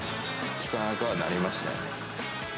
聞かなくはなりましたね。